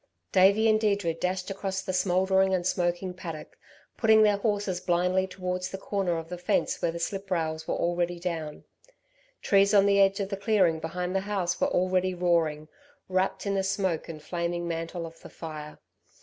Davey and Deirdre dashed across the smouldering and smoking paddock, putting their horses blindly towards the corner of the fence where the slip rails were already down. Trees on the edge of the clearing behind the house were already roaring, wrapped in the smoke and flaming mantle of the fire.